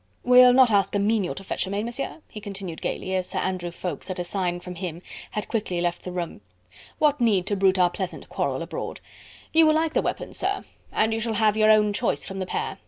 "We'll not ask a menial to fetch them, eh, Monsieur?" he continued gaily, as Sir Andrew Ffoulkes at a sign from him had quickly left the room. "What need to bruit our pleasant quarrel abroad? You will like the weapons, sir, and you shall have your own choice from the pair....